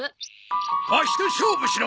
ワシと勝負しろ！